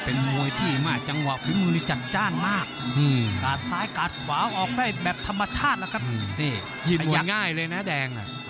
ยินมวยง่ายเลยนะแดง